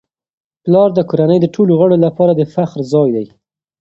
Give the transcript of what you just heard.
پلار د کورنی د ټولو غړو لپاره د فخر ځای دی.